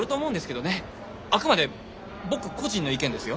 あくまで僕個人の意見ですよ？